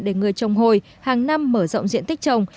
để người trồng hồi hàng năm mở rộng diện tích trồng